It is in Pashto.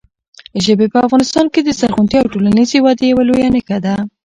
ژبې په افغانستان کې د زرغونتیا او ټولنیزې ودې یوه لویه نښه ده.